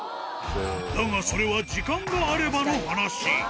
だが、それは時間があればの話。